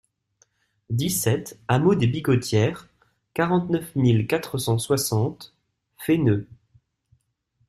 dix-sept hameau des Bigottières, quarante-neuf mille quatre cent soixante Feneu